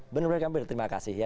benar benar kami berterima kasih ya